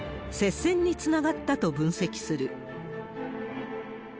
接戦につながったと分析する。